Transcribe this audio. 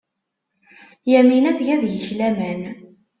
Yamina tga deg-k laman.